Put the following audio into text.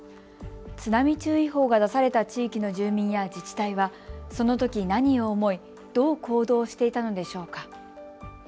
津波注意報が出された地域の住民や自治体はそのとき何を思いどう行動していたんでしょうか。